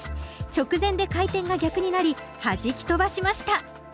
直前で回転が逆になりはじき飛ばしました。